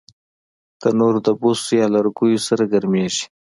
تنور د بوسو یا لرګیو سره ګرمېږي